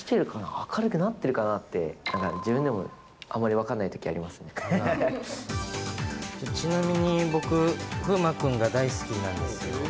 明るくなってるかなってなんか自分でもあまり分かんないときありちなみに僕、風磨くんが大好きなんですよ。